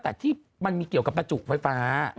แต่ที่มันมีเกี่ยวกับประจุไฟฟ้า